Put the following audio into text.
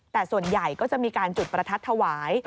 แต่ส่วนใหญ่ก็จะมีการจุดประทัดถวาย